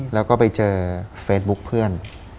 แล้วก็ไปเจอเฟซบุ๊คเพื่อน